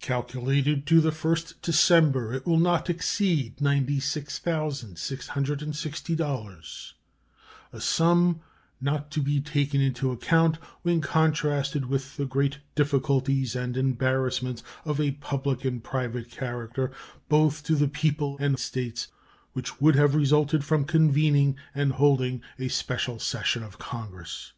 Calculated up to the 1st December, it will not exceed $96,660 a sum not to be taken into account when contrasted with the great difficulties and embarrassments of a public and private character, both to the people and the States, which would have resulted from convening and holding a special session of Congress.